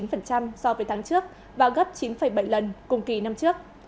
tăng chín chín so với tháng trước và gấp chín bảy lần cùng kỳ năm trước